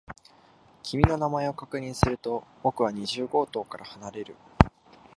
君の名前を確認すると、僕は二十号棟から離れる。